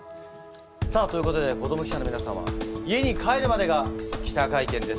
さあということで子ども記者の皆様家に帰るまでが記者会見です。